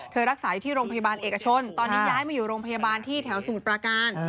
รักษาอยู่ที่โรงพยาบาลเอกชนตอนนี้ย้ายมาอยู่โรงพยาบาลที่แถวสมุทรปราการ